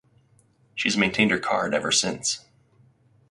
She has maintained her card ever since.